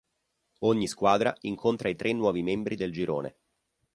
Ogni squadra incontra i tre nuovi membri del girone.